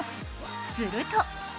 すると